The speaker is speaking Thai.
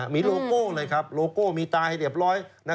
มีโลโก้เลยครับโลโก้มีตายให้เรียบร้อย